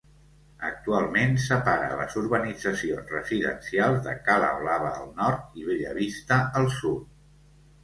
Actualment separa les urbanitzacions residencials de Cala Blava al nord i Bellavista al sud.